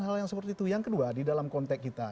hal hal yang seperti itu yang kedua di dalam konteks kita